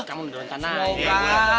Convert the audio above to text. kamu udah rentan aja